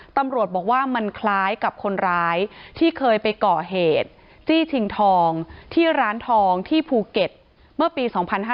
ตำรวจบอกว่ามันคล้ายกับคนร้ายที่เคยไปก่อเหตุจี้ชิงทองที่ร้านทองที่ภูเก็ตเมื่อปี๒๕๕๙